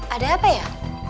ada apa ya